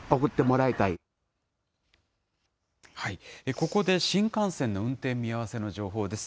ここで、新幹線の運転見合わせの情報です。